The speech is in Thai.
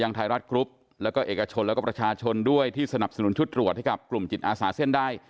หวังว่าสถานการณ์จะดีขึ้นค่ะ